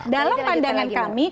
dalam pandangan publik